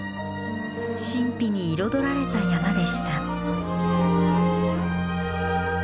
神秘に彩られた山でした。